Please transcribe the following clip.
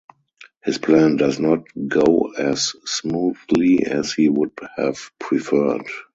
His plan does not go as smoothly as he would have preferred.